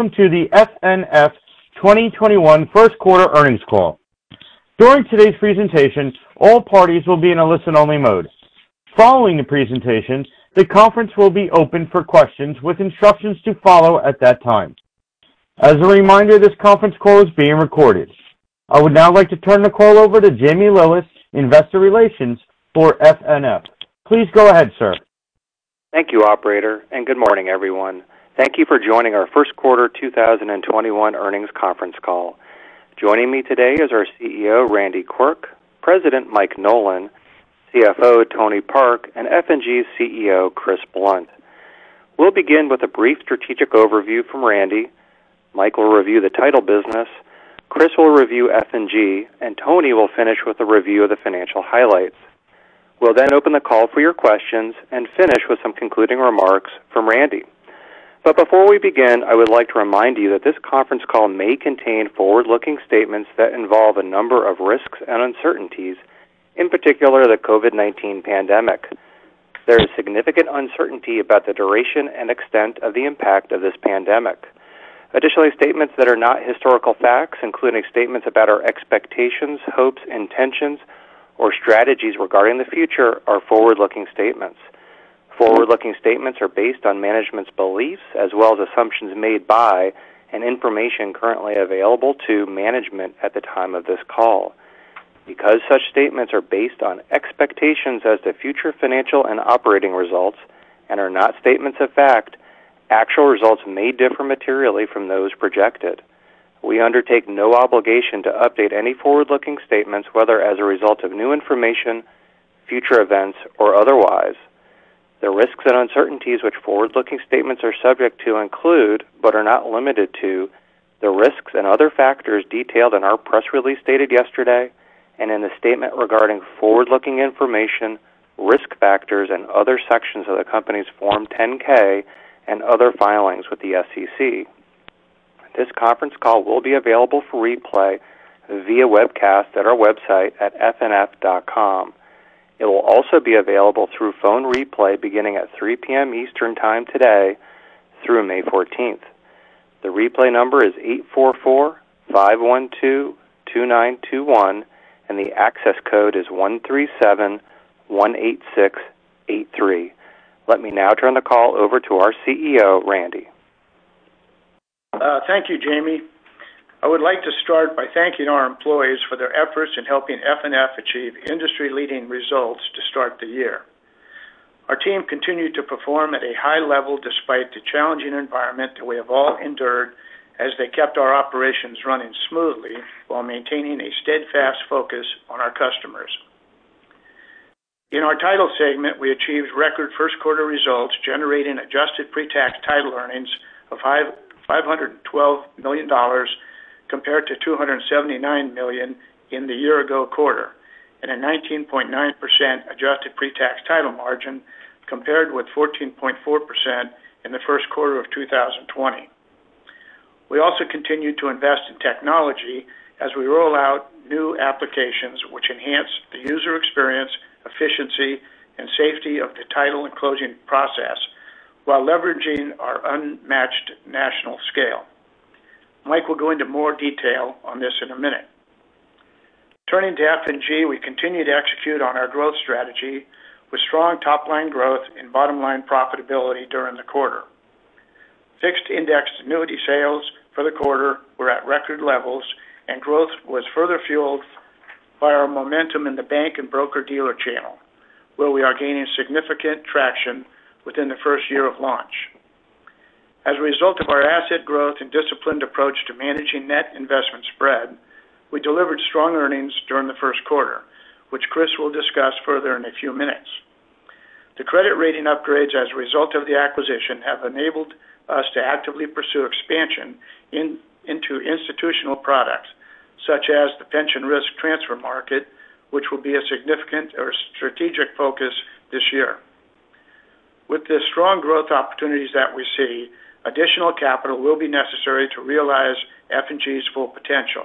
Welcome to the FNF 2021 first quarter earnings call. During today's presentation, all parties will be in a listen-only mode. Following the presentation, the conference will be open for questions with instructions to follow at that time. As a reminder, this conference call is being recorded. I would now like to turn the call over to Jamie Lillis, Investor Relations for FNF. Please go ahead, sir. Thank you, operator, and good morning, everyone. Thank you for joining our first quarter 2021 earnings conference call. Joining me today is our CEO, Randy Quirk, President Mike Nolan, CFO Tony Park, and F&G CEO, Chris Blunt. We'll begin with a brief strategic overview from Randy. Mike will review the Title business, Chris will review F&G, and Tony will finish with a review of the financial highlights. We'll then open the call for your questions and finish with some concluding remarks from Randy. Before we begin, I would like to remind you that this conference call may contain forward-looking statements that involve a number of risks and uncertainties, in particular the COVID-19 pandemic. There is significant uncertainty about the duration and extent of the impact of this pandemic. Additionally, statements that are not historical facts, including statements about our expectations, hopes, intentions, or strategies regarding the future, are forward-looking statements. Forward-looking statements are based on management's beliefs as well as assumptions made by and information currently available to management at the time of this call. Because such statements are based on expectations as to future financial and operating results and are not statements of fact, actual results may differ materially from those projected. We undertake no obligation to update any forward-looking statements, whether as a result of new information, future events, or otherwise. The risks and uncertainties which forward-looking statements are subject to include, but are not limited to, the risks and other factors detailed in our press release dated yesterday and in the statement regarding forward-looking information, risk factors, and other sections of the company's Form 10-K and other filings with the SEC. This conference call will be available for replay via webcast at our website at fnf.com. It will also be available through phone replay beginning at 3:00 P.M. Eastern Time today through May 14th. The replay number is 844-512-2921 and the access code is 137-186-83. Let me now turn the call over to our CEO, Randy. Thank you, Jamie. I would like to start by thanking our employees for their efforts in helping FNF achieve industry-leading results to start the year. Our team continued to perform at a high level despite the challenging environment that we have all endured as they kept our operations running smoothly while maintaining a steadfast focus on our customers. In our Title segment, we achieved record first-quarter results, generating adjusted pre-tax Title earnings of $512 million, compared to $279 million in the year-ago quarter, and a 19.9% adjusted pre-tax Title margin, compared with 14.4% in the first quarter of 2020. We also continued to invest in technology as we roll out new applications which enhance the user experience, efficiency, and safety of the Title and closing process while leveraging our unmatched national scale. Mike will go into more detail on this in a minute. Turning to F&G, we continue to execute on our growth strategy with strong top-line growth and bottom-line profitability during the quarter. Fixed index annuity sales for the quarter were at record levels, and growth was further fueled by our momentum in the bank and broker-dealer channel, where we are gaining significant traction within the first year of launch. As a result of our asset growth and disciplined approach to managing net investment spread, we delivered strong earnings during the first quarter, which Chris will discuss further in a few minutes. The credit rating upgrades as a result of the acquisition have enabled us to actively pursue expansion into institutional products, such as the pension risk transfer market, which will be a significant strategic focus this year. With the strong growth opportunities that we see, additional capital will be necessary to realize F&G's full potential.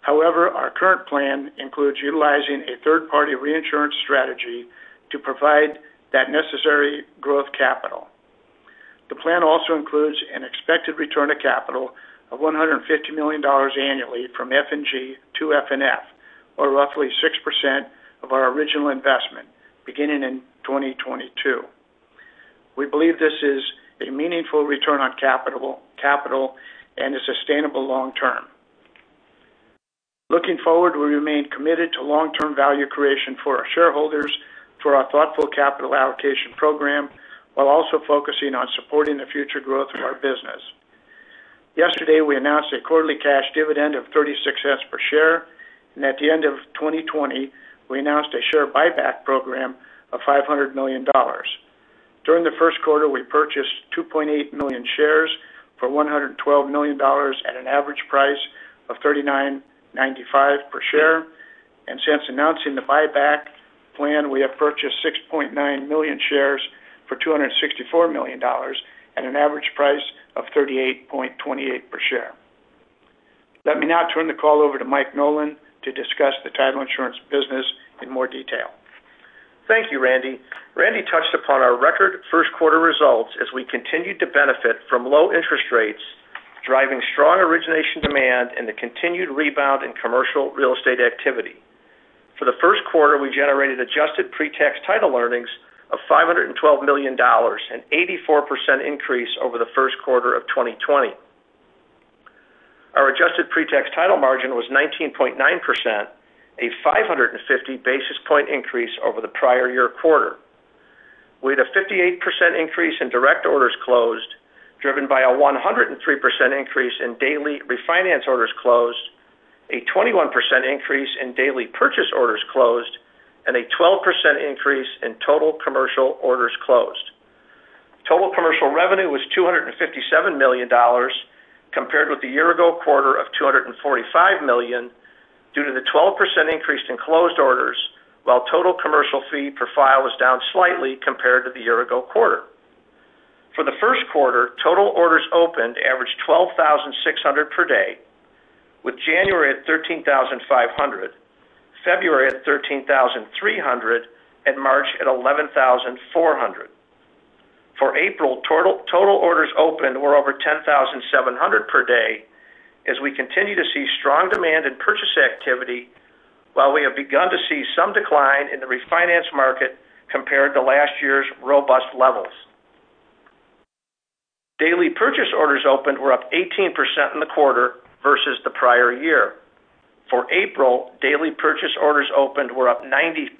However, our current plan includes utilizing a third-party reinsurance strategy to provide that necessary growth capital. The plan also includes an expected return of capital of $150 million annually from F&G to FNF, or roughly 6% of our original investment, beginning in 2022. We believe this is a meaningful return on capital and is sustainable long term. Looking forward, we remain committed to long-term value creation for our shareholders through our thoughtful capital allocation program while also focusing on supporting the future growth of our business. Yesterday, we announced a quarterly cash dividend of $0.36 per share, and at the end of 2020, we announced a share buyback program of $500 million. During the first quarter, we purchased 2.8 million shares for $112 million at an average price of $39.95 per share. Since announcing the buyback plan, we have purchased 6.9 million shares for $264 million at an average price of $38.28 per share. Let me now turn the call over to Mike Nolan to discuss the Title Insurance business in more detail. Thank you, Randy. Randy touched upon our record first quarter results as we continued to benefit from low interest rates, driving strong origination demand and the continued rebound in commercial real estate activity. For the first quarter, we generated adjusted pre-tax Title earnings of $512 million, an 84% increase over the first quarter of 2020. Our adjusted pre-tax Title margin was 19.9%, a 550 basis point increase over the prior year quarter. We had a 58% increase in direct orders closed, driven by a 103% increase in daily refinance orders closed, a 21% increase in daily purchase orders closed, and a 12% increase in total commercial orders closed. Total commercial revenue was $257 million, compared with the year ago quarter of $245 million, due to the 12% increase in closed orders, while total commercial fee per file was down slightly compared to the year ago quarter. For the first quarter, total orders opened averaged 12,600 per day, with January at 13,500, February at 13,300, and March at 11,400. For April, total orders opened were over 10,700 per day as we continue to see strong demand in purchase activity, while we have begun to see some decline in the refinance market compared to last year's robust levels. Daily purchase orders opened were up 18% in the quarter versus the prior year. For April, daily purchase orders opened were up 90%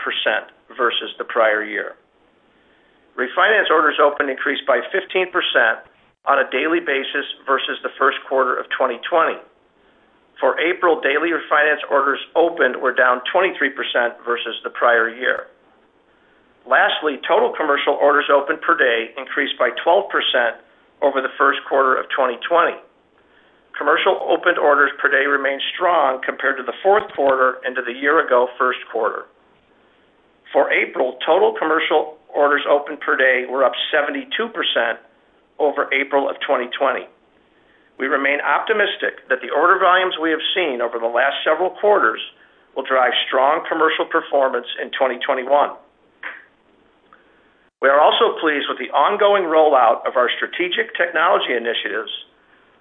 versus the prior year. Refinance orders opened increased by 15% on a daily basis versus the first quarter of 2020. For April, daily refinance orders opened were down 23% versus the prior year. Lastly, total commercial orders opened per day increased by 12% over the first quarter of 2020. Commercial opened orders per day remained strong compared to the fourth quarter and to the year ago first quarter. For April, total commercial orders opened per day were up 72% over April of 2020. We remain optimistic that the order volumes we have seen over the last several quarters will drive strong commercial performance in 2021. We are also pleased with the ongoing rollout of our strategic technology initiatives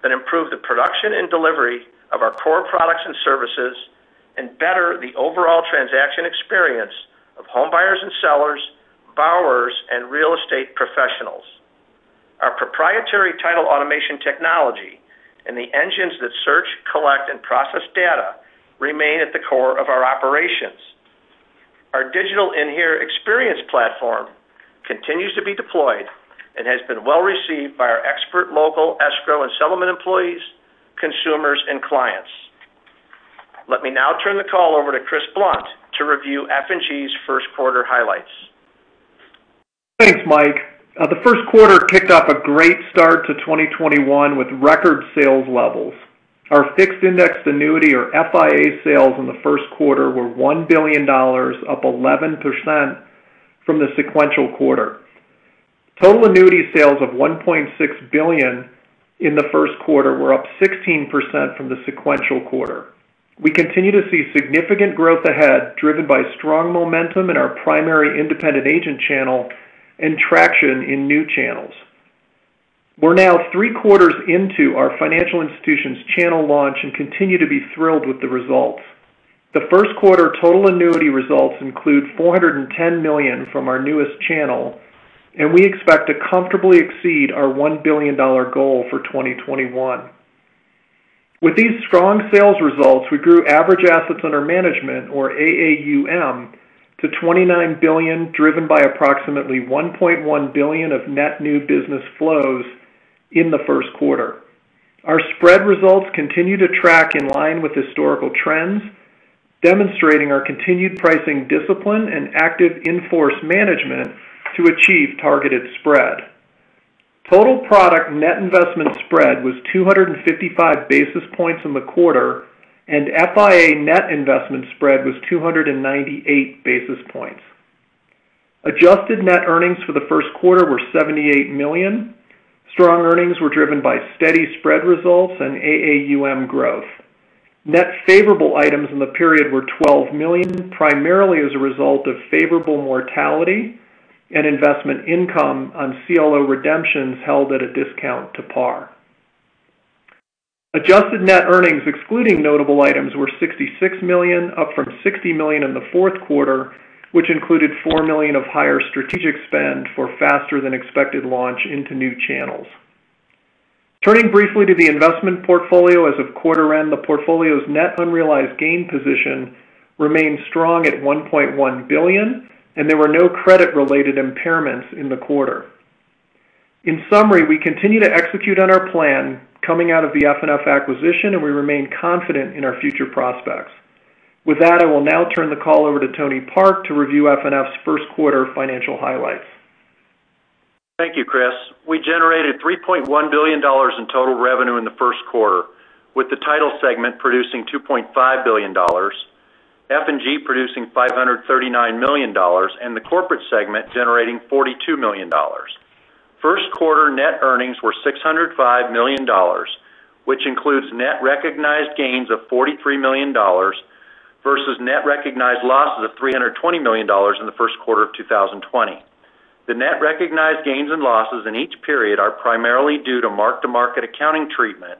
that improve the production and delivery of our core products and services, and better the overall transaction experience of home buyers and sellers, borrowers, and real estate professionals. Our proprietary Title automation technology and the engines that search, collect, and process data remain at the core of our operations. Our digital inHere experience platform continues to be deployed and has been well-received by our expert local escrow and settlement employees, consumers, and clients. Let me now turn the call over to Chris Blunt to review F&G's first quarter highlights. Thanks, Mike. The first quarter kicked off a great start to 2021 with record sales levels. Our fixed index annuity or FIA sales in the first quarter were $1 billion, up 11% from the sequential quarter. Total annuity sales of $1.6 billion in the first quarter were up 16% from the sequential quarter. We continue to see significant growth ahead, driven by strong momentum in our primary independent agent channel and traction in new channels. We're now three quarters into our financial institutions channel launch and continue to be thrilled with the results. The first quarter total annuity results include $410 million from our newest channel, and we expect to comfortably exceed our $1 billion goal for 2021. With these strong sales results, we grew average assets under management, or AAUM, to $29 billion, driven by approximately $1.1 billion of net new business flows in the first quarter. Our spread results continue to track in line with historical trends, demonstrating our continued pricing discipline and active in-force management to achieve targeted spread. Total product net investment spread was 255 basis points in the quarter, and FIA net investment spread was 298 basis points. Adjusted net earnings for the first quarter were $78 million. Strong earnings were driven by steady spread results and AAUM growth. Net favorable items in the period were $12 million, primarily as a result of favorable mortality and investment income on CLO redemptions held at a discount to par. Adjusted net earnings excluding notable items were $66 million, up from $60 million in the fourth quarter, which included $4 million of higher strategic spend for faster than expected launch into new channels. Turning briefly to the investment portfolio as of quarter end, the portfolio's net unrealized gain position remains strong at $1.1 billion, and there were no credit-related impairments in the quarter. In summary, we continue to execute on our plan coming out of the F&G acquisition, and we remain confident in our future prospects. With that, I will now turn the call over to Tony Park to review FNF's first quarter financial highlights. Thank you, Chris. We generated $3.1 billion in total revenue in the first quarter, with the Title segment producing $2.5 billion, F&G producing $539 million, and the Corporate segment generating $42 million. First quarter net earnings were $605 million, which includes net recognized gains of $43 million versus net recognized losses of $320 million in the first quarter of 2020. The net recognized gains and losses in each period are primarily due to mark-to-market accounting treatment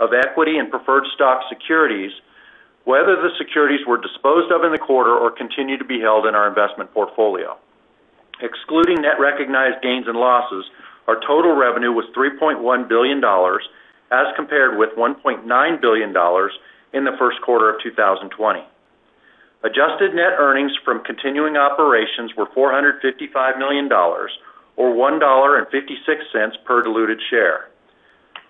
of equity and preferred stock securities, whether the securities were disposed of in the quarter or continue to be held in our investment portfolio. Excluding net recognized gains and losses, our total revenue was $3.1 billion, as compared with $1.9 billion in the first quarter of 2020. Adjusted net earnings from continuing operations were $455 million or $1.56 per diluted share.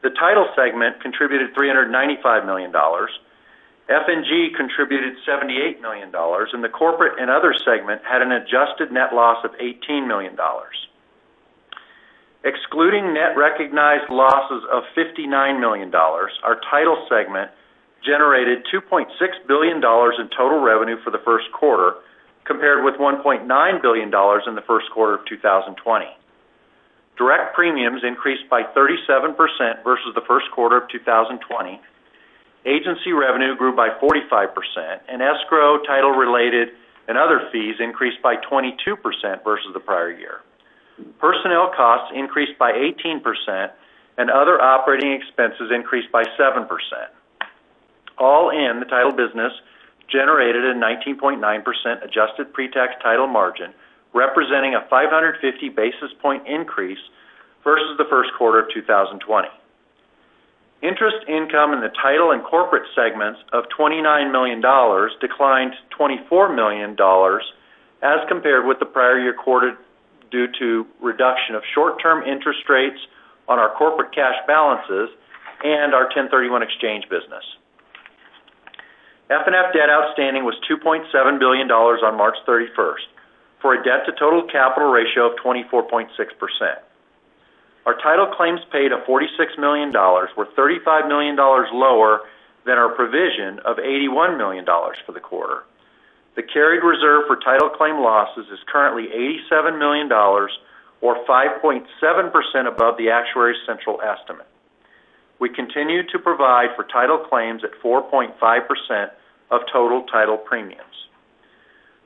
The Title segment contributed $395 million, F&G contributed $78 million, and the Corporate and Other segment had an adjusted net loss of $18 million. Excluding net recognized losses of $59 million, our Title segment generated $2.6 billion in total revenue for the first quarter, compared with $1.9 billion in the first quarter of 2020. Direct premiums increased by 37% versus the first quarter of 2020. Agency revenue grew by 45%, and escrow, Title-related, and other fees increased by 22% versus the prior year. Personnel costs increased by 18%, and other operating expenses increased by 7%. All in, the Title business generated a 19.9% adjusted pre-tax Title margin, representing a 550 basis point increase versus the first quarter of 2020. Interest income in the Title and Corporate segments of $29 million declined to $24 million as compared with the prior year quarter due to reduction of short-term interest rates on our Corporate cash balances and our 1031 exchange business. FNF debt outstanding was $2.7 billion on March 31st, for a debt-to-total capital ratio of 24.6%. Our Title claims paid a $46 million, were $35 million lower than our provision of $81 million for the quarter. The carried reserve for Title claim losses is currently $87 million, or 5.7% above the actuary central estimate. We continue to provide for Title claims at 4.5% of total Title premiums.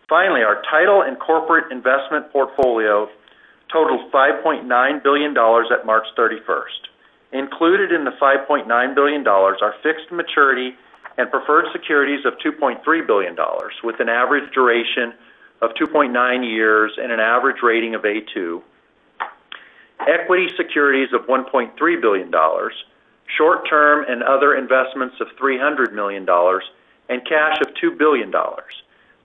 Finally, our Title and Corporate investment portfolio totals $5.9 billion at March 31st. Included in the $5.9 billion are fixed maturity and preferred securities of $2.3 billion, with an average duration of 2.9 years and an average rating of A2. Equity securities of $1.3 billion, short-term and other investments of $300 million, and cash of $2 billion.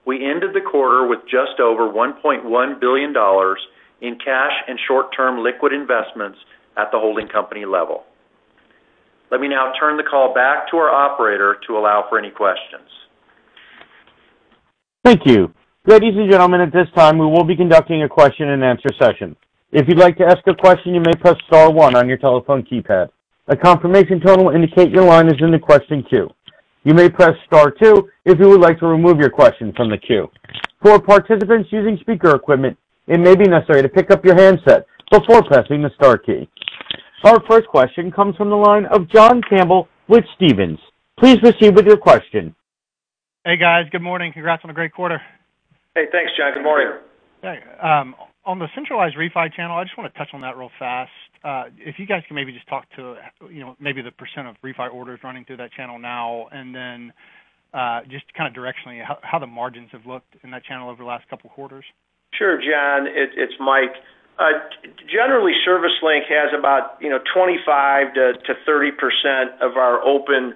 We ended the quarter with just over $1.1 billion in cash and short-term liquid investments at the holding company level. Let me now turn the call back to our operator to allow for any questions. Thank you. Ladies and gentlemen, at this time, we will be conducting a question-and-answer session. If you'd like to ask a question, you may press star one on your telephone keypad. A confirmation tone will indicate your line is in the question queue. You may press star two if you would like to remove your question from the queue. For participants using speaker equipment, it may be necessary to pick up your handset before pressing the star key. Our first question comes from the line of John Campbell with Stephens. Please proceed with your question. Hey, guys. Good morning. Congrats on a great quarter. Hey, thanks, John. Good morning. Hey. On the centralized refi channel, I just want to touch on that real fast. If you guys can maybe just talk to maybe the percent of refi orders running through that channel now, and then just kind of directionally, how the margins have looked in that channel over the last couple of quarters. Sure, John. It's Mike. Generally, ServiceLink has about 25%-30% of our open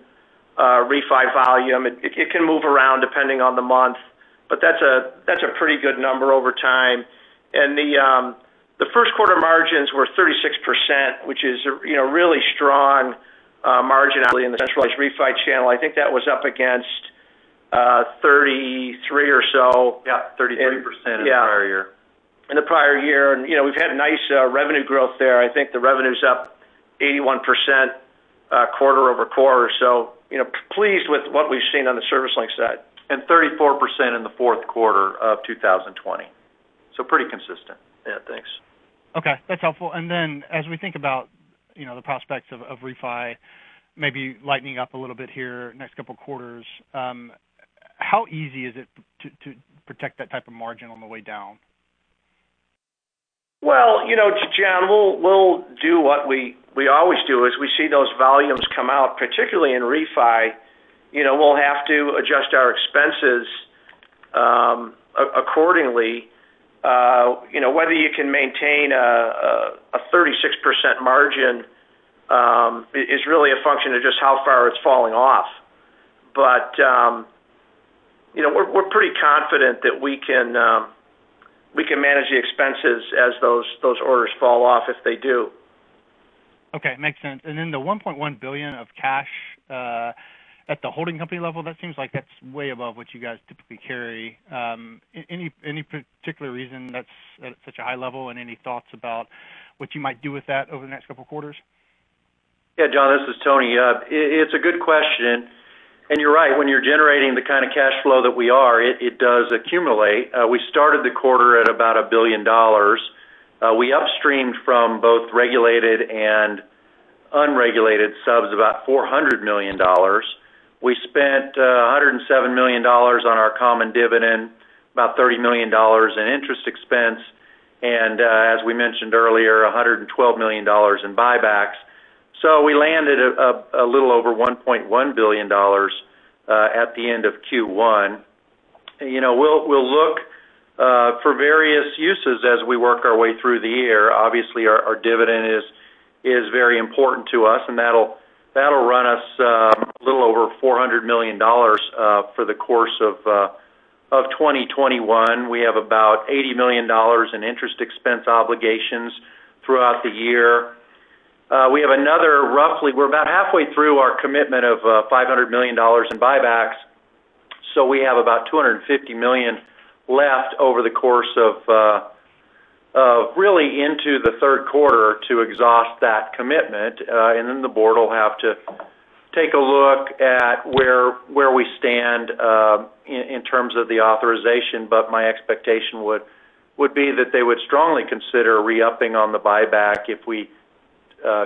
refi volume. It can move around depending on the month, but that's a pretty good number over time. The first-quarter margins were 36%, which is a really strong margin out in the centralized refi channel. I think that was up against 33% in the prior year. We've had nice revenue growth there. I think the revenue's up 81% quarter-over-quarter, so pleased with what we've seen on the ServiceLink side. 34% in the fourth quarter of 2020. Pretty consistent. Thanks. Okay, that's helpful. As we think about the prospects of refi maybe lightening up a little bit here next couple quarters, how easy is it to protect that type of margin on the way down? Well, John, we'll do what we always do. As we see those volumes come out, particularly in refi, we'll have to adjust our expenses accordingly. Whether you can maintain a 36% margin is really a function of just how far it's falling off. We're pretty confident that we can manage the expenses as those orders fall off, if they do. Okay. Makes sense. The $1.1 billion of cash at the holding company level, that seems like that's way above what you guys typically carry. Any particular reason that's at such a high level, and any thoughts about what you might do with that over the next couple of quarters? Yeah, John, this is Tony. It's a good question. You're right. When you're generating the kind of cash flow that we are, it does accumulate. We started the quarter at about $1 billion. We upstreamed from both regulated and unregulated subs about $400 million. We spent $107 million on our common dividend, about $30 million in interest expense. As we mentioned earlier, $112 million in buybacks. We landed a little over $1.1 billion at the end of Q1. We'll look for various uses as we work our way through the year. Obviously, our dividend is very important to us. That'll run us a little over $400 million for the course of 2021. We have about $80 million in interest expense obligations throughout the year. We're about halfway through our commitment of $500 million in buybacks, so we have about $250 million left over the course of really into the third quarter to exhaust that commitment. The Board will have to take a look at where we stand in terms of the authorization. My expectation would be that they would strongly consider re-upping on the buyback if we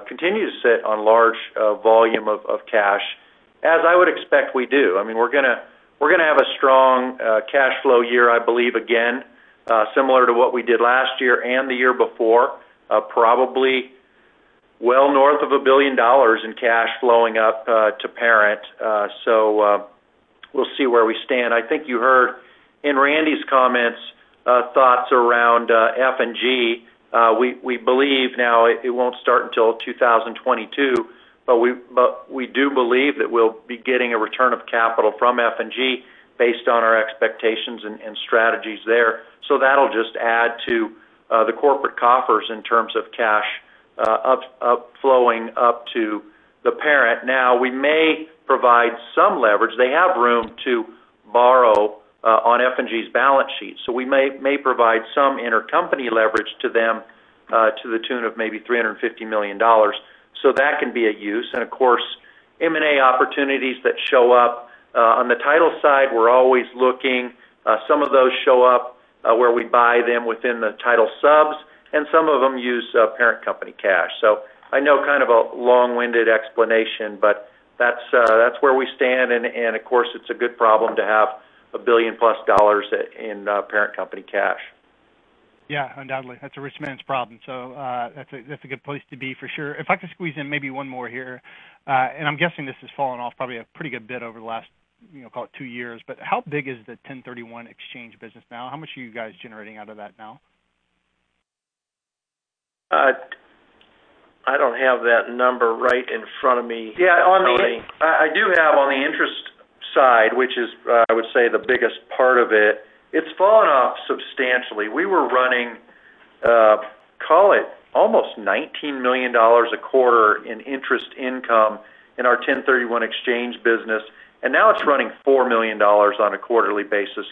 continue to sit on large volume of cash, as I would expect we do. We're going to have a strong cash flow year, I believe again similar to what we did last year and the year before. Probably well north of $1 billion in cash flowing up to parent. We'll see where we stand. I think you heard in Randy's comments thoughts around F&G. We believe now it won't start until 2022, but we do believe that we'll be getting a return of capital from F&G based on our expectations and strategies there. That'll just add to the Corporate coffers in terms of cash up flowing up to the parent. We may provide some leverage. They have room to borrow on F&G's balance sheet, so we may provide some intercompany leverage to them to the tune of maybe $350 million. That can be a use. Of course, M&A opportunities that show up on the Title side, we're always looking. Some of those show up where we buy them within the Title subs, and some of them use parent company cash. I know kind of a long-winded explanation, but that's where we stand. Of course, it's a good problem to have $1 billion+ in parent company cash. Yeah, undoubtedly. That's a rich man's problem. That's a good place to be for sure. If I could squeeze in maybe one more here, and I'm guessing this has fallen off probably a pretty good bit over the last call it two years, but how big is the 1031 exchange business now? How much are you guys generating out of that now? I don't have that number right in front of me. Yeah, I do have on the interest side, which is I would say the biggest part of it. It's fallen off substantially. We were running, call it almost $19 million a quarter in interest income in our 1031 exchange business, and now it's running $4 million on a quarterly basis.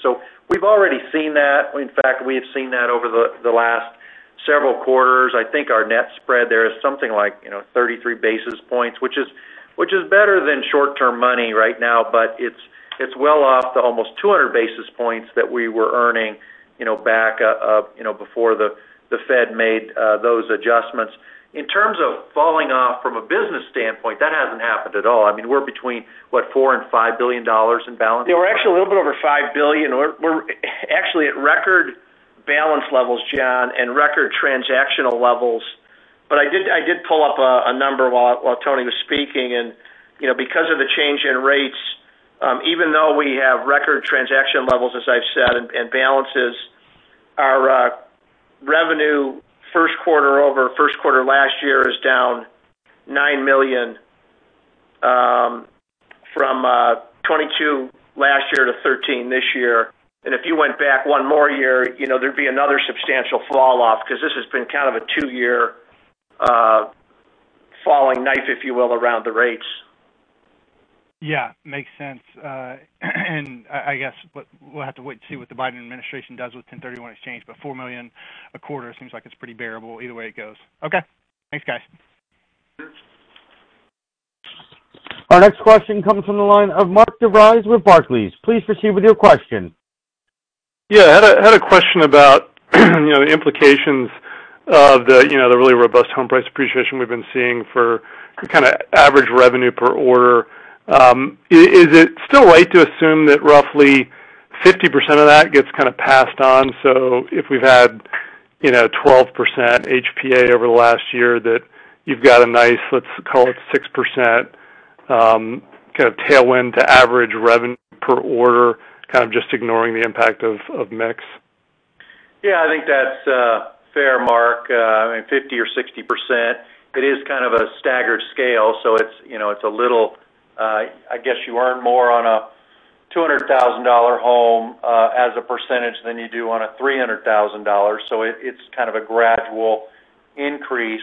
We've already seen that. In fact, we've seen that over the last several quarters. I think our net spread there is something like 33 basis points, which is better than short-term money right now, but it's well off the almost 200 basis points that we were earning back before the Fed made those adjustments. In terms of falling off from a business standpoint, that hasn't happened at all. We're between, what, $4 billion and $5 billion in balance? Yeah, we're actually a little bit over $5 billion. We're actually at record balance levels, John, and record transactional levels. I did pull up a number while Tony was speaking. Because of the change in rates, even though we have record transaction levels, as I've said, and balances, our revenue first quarter over first quarter last year is down $9 million from $22 million last year to $13 million this year. If you went back one more year, there'd be another substantial fall off because this has been kind of a two-year falling knife, if you will, around the rates. Yeah, makes sense. I guess we'll have to wait to see what the Biden administration does with 1031 exchange, but $4 million a quarter seems like it's pretty bearable either way it goes. Okay, thanks, guys. Our next question comes from the line of Mark DeVries with Barclays. Please proceed with your question. Yeah. I had a question about the implications of the really robust home price appreciation we've been seeing for kind of average revenue per order. Is it still right to assume that roughly 50% of that gets kind of passed on? If we've had 12% HPA over the last year that you've got a nice, let's call it 6%, kind of tailwind to average revenue per order, kind of just ignoring the impact of mix. I think that's fair, Mark. I mean, 50% or 60%. It is kind of a staggered scale. I guess you earn more on a $200,000 home as a percentage than you do on a $300,000. It's kind of a gradual increase.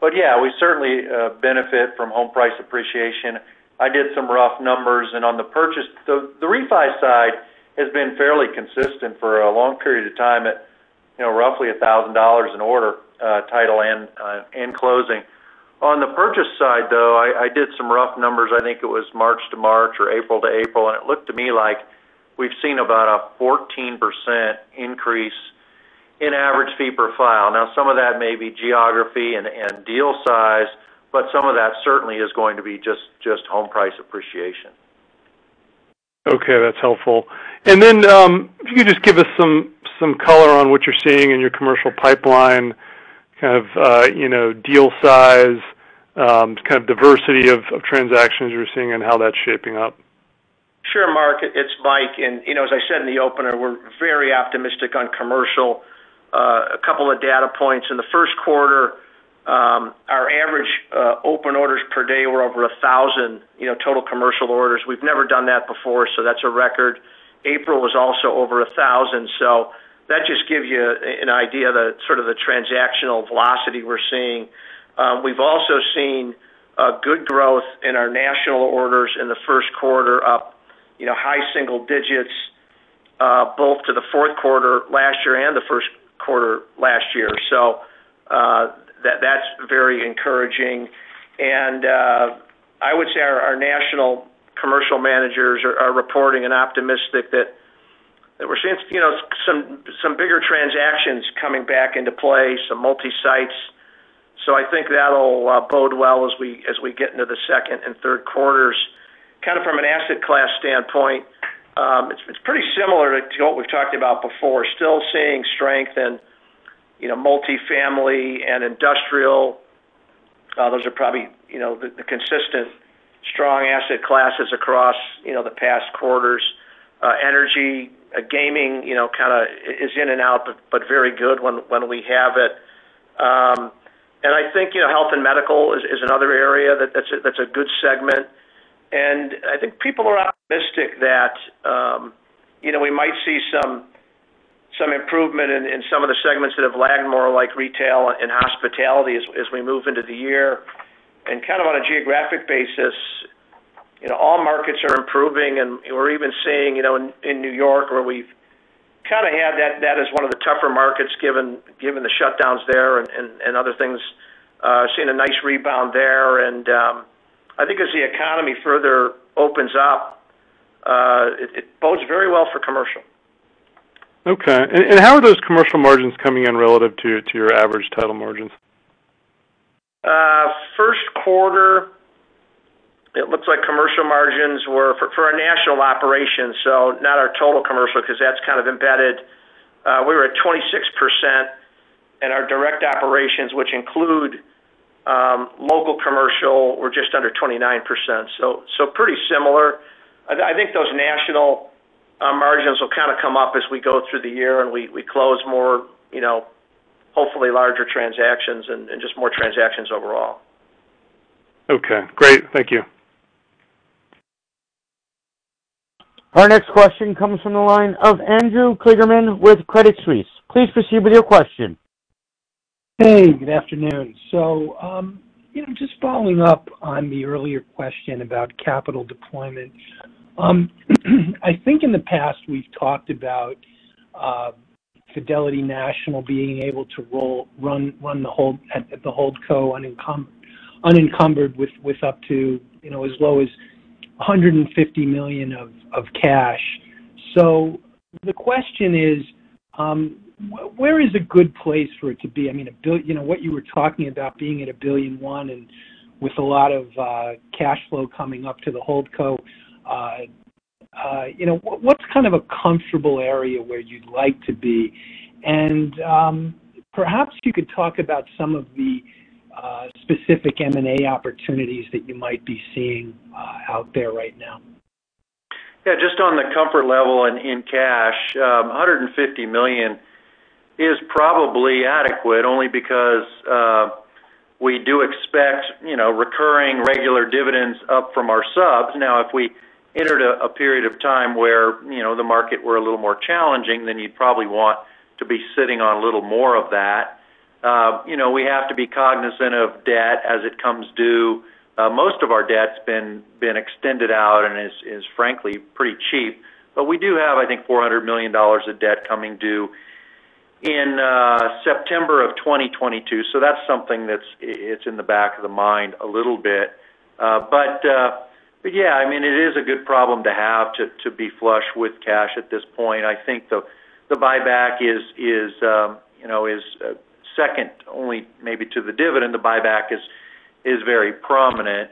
We certainly benefit from home price appreciation. I did some rough numbers. On the purchase, the refi side has been fairly consistent for a long period of time at roughly $1,000 in order Title and in closing. On the purchase side, though, I did some rough numbers. I think it was March to March or April to April. It looked to me like we've seen about a 14% increase in average fee per file. Some of that may be geography and deal size, but some of that certainly is going to be just home price appreciation. Okay, that's helpful. Then, if you could just give us some color on what you're seeing in your commercial pipeline, kind of deal size, kind of diversity of transactions you're seeing and how that's shaping up? Sure, Mark, it's Mike, as I said in the opener, we're very optimistic on commercial. A couple of data points. In the first quarter, our average open orders per day were over 1,000 total commercial orders. We've never done that before, that's a record. April was also over 1,000. That just gives you an idea of the transactional velocity we're seeing. We've also seen a good growth in our national orders in the first quarter up high single digits, both to the fourth quarter last year and the first quarter last year. That's very encouraging. I would say our national commercial managers are reporting and optimistic that we're seeing some bigger transactions coming back into play, some multi-sites. I think that'll bode well as we get into the second and third quarters. Kind of from an asset class standpoint, it's pretty similar to what we've talked about before. Still seeing strength in multifamily and industrial. Those are probably the consistent strong asset classes across the past quarters. Energy, gaming kind of is in and out, but very good when we have it. I think health and medical is another area that's a good segment. I think people are optimistic that we might see some improvement in some of the segments that have lagged more, like retail and hospitality, as we move into the year. Kind of on a geographic basis, all markets are improving, and we're even seeing in New York where we've kind of had that as one of the tougher markets given the shutdowns there and other things. Seeing a nice rebound there. I think as the economy further opens up, it bodes very well for commercial. Okay. How are those commercial margins coming in relative to your average Title margins? First quarter, it looks like commercial margins were for our national operations, so not our total commercial because that's kind of embedded. We were at 26% and our direct operations, which include local commercial, were just under 29%. Pretty similar. I think those national margins will kind of come up as we go through the year and we close more, hopefully larger transactions and just more transactions overall. Okay, great. Thank you. Our next question comes from the line of Andrew Kligerman with Credit Suisse. Please proceed with your question. Hey, good afternoon. Just following up on the earlier question about capital deployment. I think in the past we've talked about Fidelity National being able to run the holdco unencumbered with up to as low as $150 million of cash. The question is, where is a good place for it to be? What you were talking about being at $1.1 billion and with a lot of cash flow coming up to the holdco. What's kind of a comfortable area where you'd like to be? Perhaps you could talk about some of the specific M&A opportunities that you might be seeing out there right now. Yeah, just on the comfort level in cash, $150 million is probably adequate only because we do expect recurring regular dividends up from our subs. Now, if we entered a period of time where the market were a little more challenging, then you'd probably want to be sitting on a little more of that. We have to be cognizant of debt as it comes due. Most of our debt's been extended out and is frankly pretty cheap. We do have, I think, $400 million of debt coming due in September of 2022. That's something that it's in the back of the mind a little bit. Yeah, it is a good problem to have to be flush with cash at this point. I think the buyback is second only maybe to the dividend. The buyback is very prominent.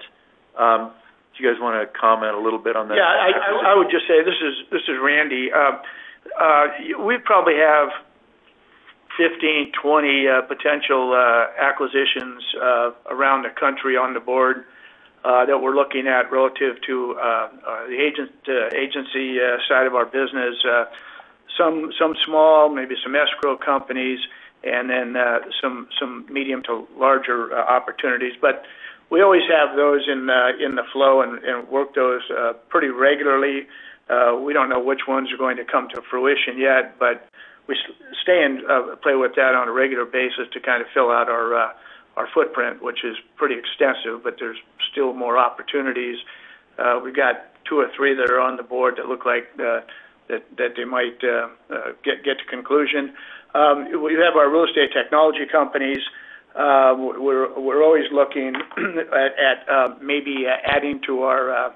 Do you guys want to comment a little bit on that? Yeah, I would just say, this is Randy. We probably have 15, 20 potential acquisitions around the country on the Board that we're looking at relative to the agency side of our business. Some small, maybe some escrow companies, and then some medium to larger opportunities. We always have those in the flow and work those pretty regularly. We don't know which ones are going to come to fruition yet. We stay and play with that on a regular basis to kind of fill out our footprint, which is pretty extensive, but there's still more opportunities. We've got two or three that are on the Board that look like they might get to conclusion. We have our real estate technology companies. We're always looking at maybe adding to our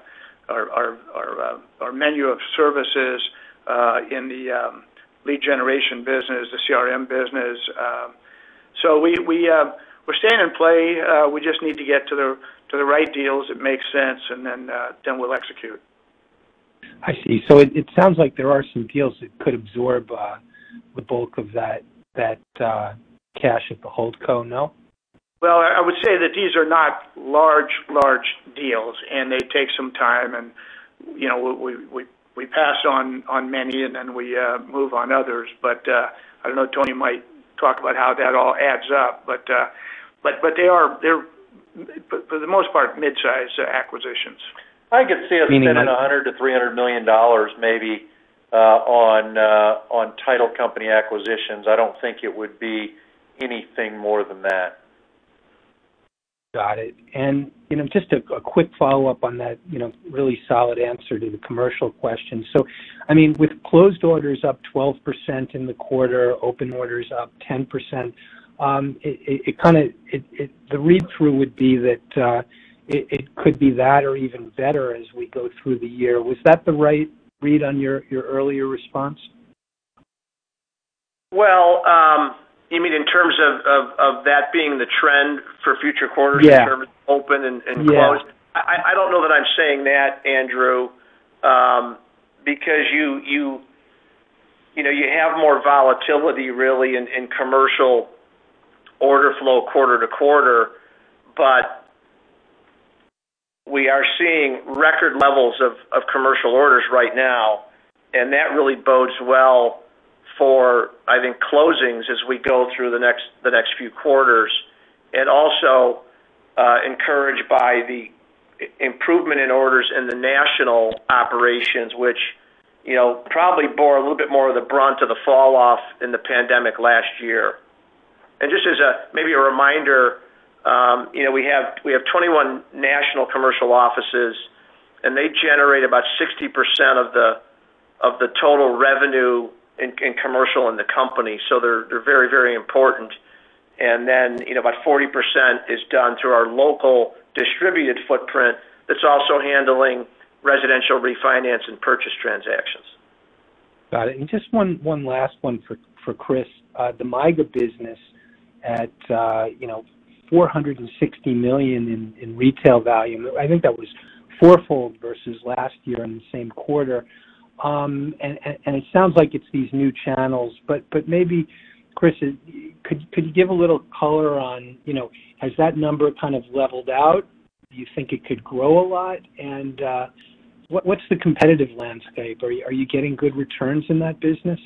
menu of services in the lead generation business, the CRM business. We're staying in play. We just need to get to the right deals that make sense, and then we'll execute. I see. It sounds like there are some deals that could absorb the bulk of that cash at the holdco, no? Well, I would say that these are not large deals, and they take some time, and we pass on many, and then we move on others. I don't know, Tony might talk about how that all adds up, but they're, for the most part, mid-size acquisitions. I could see us spending $100 million-$300 million maybe on Title company acquisitions. I don't think it would be anything more than that. Got it. Just a quick follow-up on that really solid answer to the commercial question. With closed orders up 12% in the quarter, open orders up 10%, the read-through would be that it could be that or even better as we go through the year. Was that the right read on your earlier response? Well, you mean in terms of that being the trend for future quarters- Yeah. ...in terms of open and closed? Yeah. I don't know that I'm saying that, Andrew, because you have more volatility really in commercial order flow quarter-to-quarter, but we are seeing record levels of commercial orders right now, and that really bodes well for, I think, closings as we go through the next few quarters. Also encouraged by the improvement in orders in the national operations, which probably bore a little bit more of the brunt of the falloff in the pandemic last year. Just as maybe a reminder, we have 21 national commercial offices, and they generate about 60% of the total revenue in commercial in the company. They're very important. Then, about 40% is done through our local distributed footprint that's also handling residential refinance and purchase transactions. Got it. Just one last one for Chris. The MYGA business at $460 million in retail value. I think that was fourfold versus last year in the same quarter. It sounds like it's these new channels, but maybe, Chris, could you give a little color on, has that number kind of leveled out? Do you think it could grow a lot? What's the competitive landscape? Are you getting good returns in that business?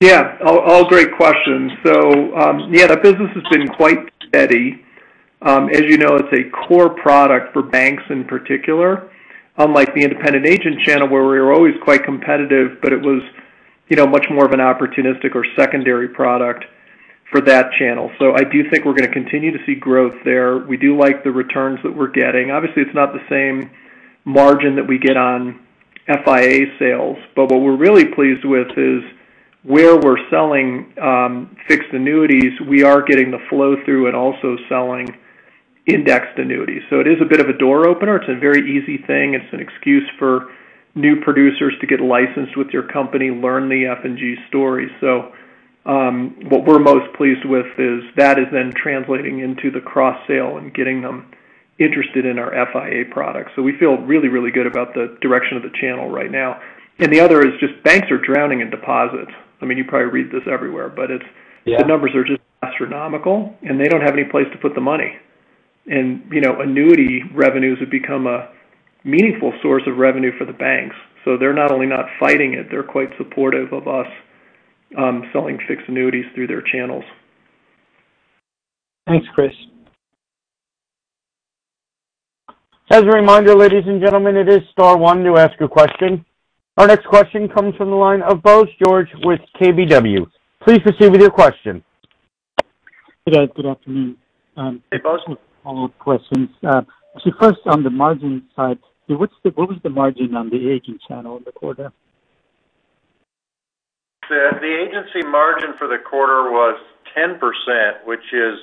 Yeah. All great questions. Yeah, that business has been quite steady. As you know, it's a core product for banks in particular, unlike the independent agent channel where we were always quite competitive, but it was much more of an opportunistic or secondary product for that channel. I do think we're going to continue to see growth there. We do like the returns that we're getting. Obviously, it's not the same margin that we get on FIA sales, but what we're really pleased with is where we're selling fixed annuities, we are getting the flow-through and also selling indexed annuities. It is a bit of a door opener. It's a very easy thing. It's an excuse for new producers to get licensed with your company, learn the F&G story. What we're most pleased with is that is then translating into the cross-sale and getting them interested in our FIA products. We feel really good about the direction of the channel right now. The other is just banks are drowning in deposits. Yeah. The numbers are just astronomical, and they don't have any place to put the money. Annuity revenues have become a meaningful source of revenue for the banks. They're not only not fighting it, they're quite supportive of us selling fixed annuities through their channels. Thanks, Chris. As a reminder, ladies and gentlemen, it is star one to ask a question. Our next question comes from the line of Bose George with KBW. Please proceed with your question. Good afternoon. Hey, Bose. With follow-up questions. First, on the margin side, what was the margin on the agency channel in the quarter? The agency margin for the quarter was 10%, which is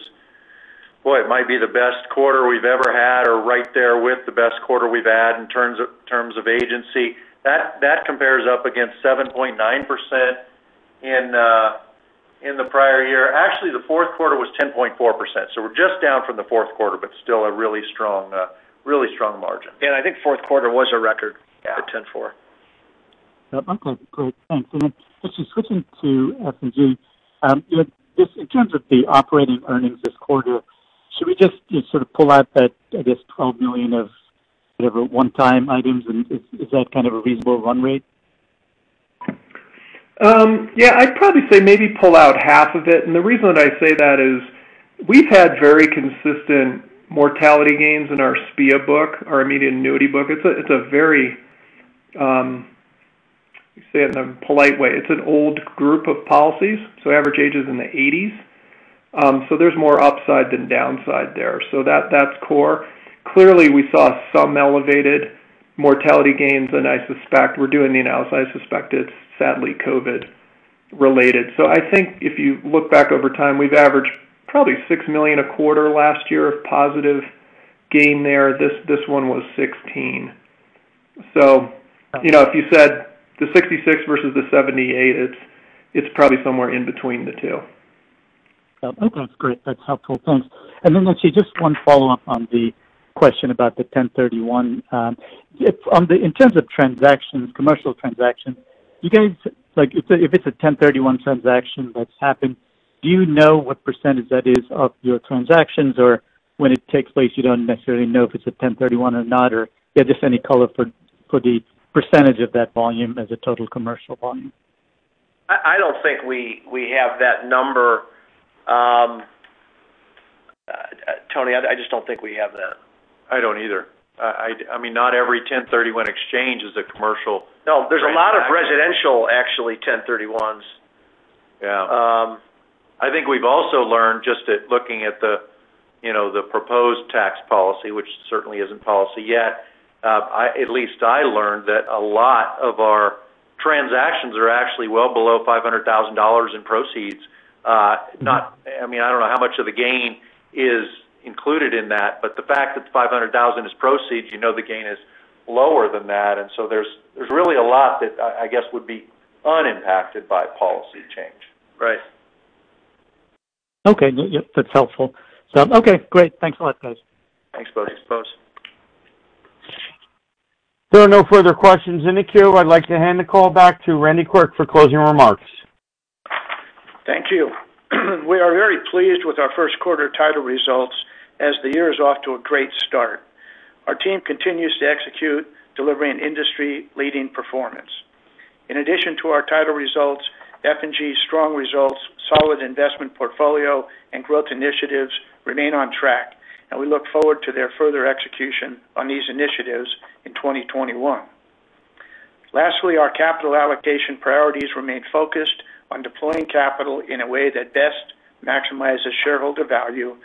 Boy, it might be the best quarter we've ever had, or right there with the best quarter we've had in terms of agency. That compares up against 7.9% in the prior year. Actually, the fourth quarter was 10.4%. We're just down from the fourth quarter, but still a really strong margin. I think fourth quarter was a record. Yeah. For 10.4%. Okay. Great. Thanks. Just switching to F&G. In terms of the operating earnings this quarter, should we just sort of pull out that, I guess, $12 million of whatever one-time items, and is that kind of a reasonable run rate? I'd probably say maybe pull out half of it. The reason I say that is we've had very consistent mortality gains in our SPIA book, our immediate annuity book. It's an old group of policies, so average age is in the 80s. There's more upside than downside there. That's core. Clearly, we saw some elevated mortality gains, and we're doing the analysis. I suspect it's sadly COVID related. I think if you look back over time, we've averaged probably $6 million a quarter last year of positive gain there. This one was $16. If you said the $66 versus the $78, it's probably somewhere in between the two. Okay. That's great. That's helpful. Thanks. Let's see, just one follow-up on the question about the 1031. In terms of commercial transaction, if it's a 1031 transaction that's happened, do you know what percentage that is of your transactions? When it takes place, you don't necessarily know if it's a 1031 or not? Yeah, just any color for the percentage of that volume as a total commercial volume. I don't think we have that number. Tony, I just don't think we have that. I don't either. Not every 1031 exchange is a commercial. No, there's a lot of residential, actually, 1031s. Yeah. I think we've also learned just at looking at the proposed tax policy, which certainly isn't policy yet. At least I learned that a lot of our transactions are actually well below $500,000 in proceeds. I don't know how much of the gain is included in that, but the fact that the $500,000 is proceeds, you know the gain is lower than that. There's really a lot that, I guess, would be unimpacted by policy change. Right. Okay. Yep, that's helpful. Okay, great. Thanks a lot, guys. Thanks, Bose. Thanks, Bose. There are no further questions in the queue. I'd like to hand the call back to Randy Quirk for closing remarks. Thank you. We are very pleased with our first quarter Title results as the year is off to a great start. Our team continues to execute, delivering an industry-leading performance. In addition to our Title results, F&G's strong results, solid investment portfolio, and growth initiatives remain on track. We look forward to their further execution on these initiatives in 2021. Lastly, our capital allocation priorities remain focused on deploying capital in a way that best maximizes shareholder value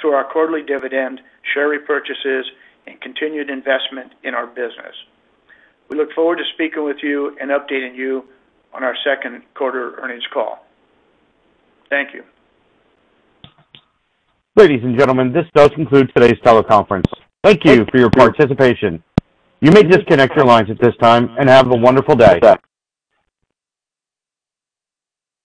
through our quarterly dividend, share repurchases, and continued investment in our business. We look forward to speaking with you and updating you on our second quarter earnings call. Thank you. Ladies and gentlemen, this does conclude today's teleconference. Thank you for your participation. You may disconnect your lines at this time, and have a wonderful day.